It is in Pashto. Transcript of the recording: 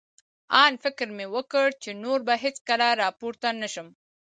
آن فکر مې وکړ، چې نور به هېڅکله را پورته نه شم.